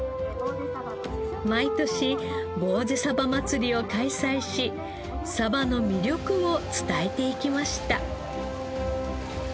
毎年ぼうぜ祭りを開催しサバの魅力を伝えていきました。